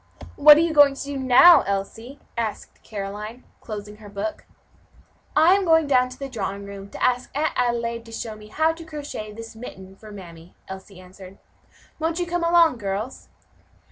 "What are you going to do now, Elsie?" asked Caroline, closing her book. "I am going down to the drawing room to ask Aunt Adelaide to show me how to crochet this mitten for mammy," Elsie answered. "Won't you come along, girls?"